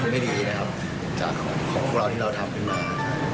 ไม่ดีนะครับของพวกเราที่เราทำ